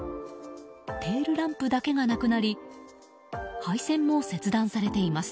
テールランプだけがなくなり配線も切断されています。